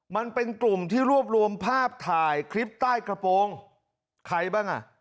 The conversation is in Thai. มันเป็นกลุ่มที่รวบรวมภาพถ่ายคลิปใต้กระโปรงใครบ้างอ่ะ